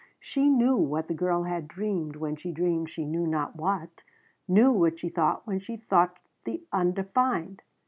She knew what that girl had dreamed when she dreamed she knew not what; knew what she thought when she thought the undefined.